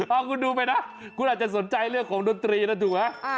เอาคุณดูไปนะคุณอาจจะสนใจเรื่องของดนตรีนะถูกไหม